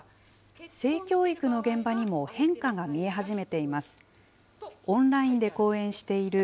性教育の現場にも変化が見え始めています。